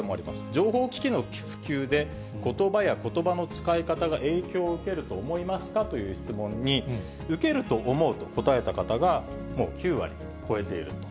情報機器の普及で、ことばやことばの使い方が影響を受けると思いますかという質問に、受けると思うと答えた方が、もう９割を超えていると。